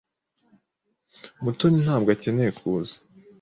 Mutoni ntabwo akeneye kuza.